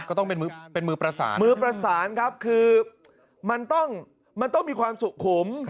ก็ต้องเป็นมือประสานมือประสานครับคือมันต้องมันต้องมีความสุขุม